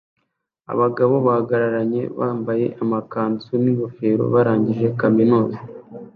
Abagabo bahagararanye bambaye amakanzu n'ingofero barangije kaminuza